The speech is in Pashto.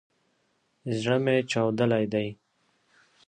زړه مي چاودلی دی